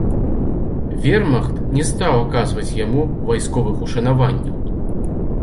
Вермахт не стаў аказваць яму вайсковых ушанаванняў.